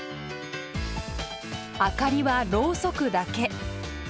明かりはろうそくだけ。